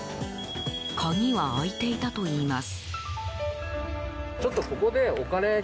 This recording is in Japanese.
鍵は開いていたといいます。